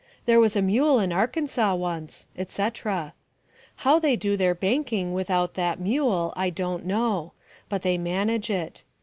There was a mule in Arkansas once," etc. How they do their banking without that mule I don't know. But they manage it.